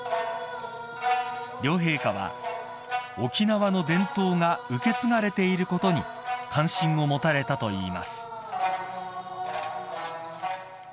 ［両陛下は沖縄の伝統が受け継がれていることに関心を持たれたといいます］